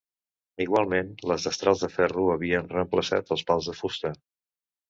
Igualment les destrals de ferro havien reemplaçat els pals de fusta.